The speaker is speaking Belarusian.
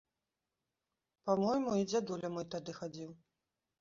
Па-мойму, і дзядуля мой тады хадзіў.